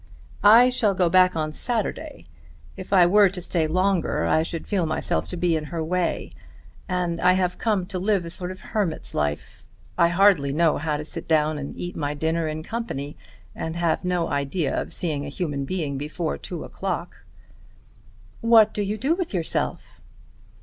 "I shall go back on Saturday. If I were to stay longer I should feel myself to be in her way. And I have come to live a sort of hermit's life. I hardly know how to sit down and eat my dinner in company, and have no idea of seeing a human being before two o'clock." "What do you do with yourself?"